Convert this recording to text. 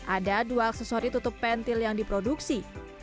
ada dua aksesori tutup pentil yang diproduksi